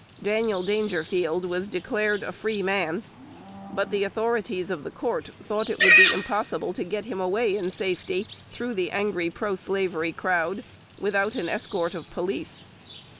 Daniel Dangerfield was declared a free man; but the authorities of the court thought it would be impossible to get him away in safety through the angry pro slavery crowd, without an escort of police.